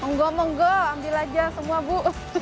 menggong menggong ambil saja semua bu